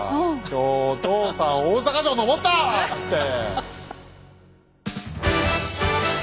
「今日お父さん大坂城登った！」っつって。